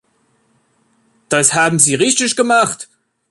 Das haben Sie richtig gemacht.